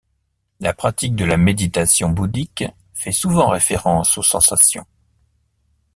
La pratique de la méditation bouddhique fait souvent référence aux sensations.